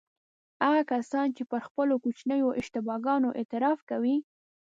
هغه کسان چې پر خپلو کوچنیو اشتباه ګانو اعتراف کوي.